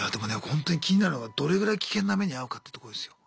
ホントに気になるのがどれぐらい危険な目に遭うかってとこですよ。